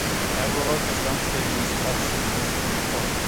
Я глава гражданской администрации, мистер Махон.